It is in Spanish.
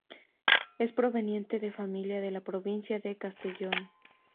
Es proveniente de familia de la provincia de Castellón.